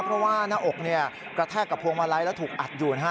เพราะว่าหน้าอกเนี่ยกระแทกกับพวงมาลัยแล้วถูกอัดอยู่นะฮะ